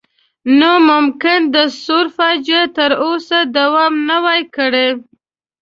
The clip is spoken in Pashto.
نو ممکن د ثور فاجعه تر اوسه دوام نه وای کړی.